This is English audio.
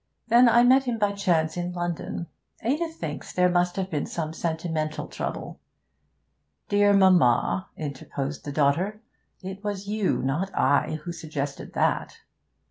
Then I met him by chance in London. Ada thinks there must have been some sentimental trouble.' 'Dear mamma,' interposed the daughter, 'it was you, not I, who suggested that.'